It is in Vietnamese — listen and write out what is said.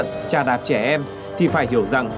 tra đạp trẻ em thì phải hiểu rằng